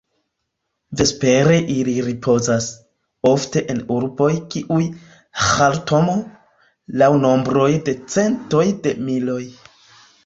Vespere ili ripozas, ofte en urboj kiaj Ĥartumo, laŭ nombroj de centoj de miloj.